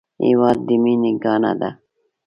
هېواد د مینې ګاڼه ده